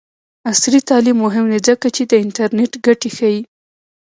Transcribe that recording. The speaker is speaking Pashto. عصري تعلیم مهم دی ځکه چې د انټرنټ ګټې ښيي.